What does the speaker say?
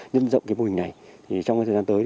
dâm rộng cái mô hình này trong thời gian tới